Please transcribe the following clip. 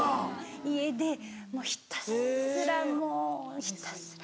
家でもうひたすらもうひたすら。